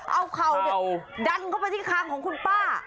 เอาเข่าดันเข้าไปที่คางของคุณป้า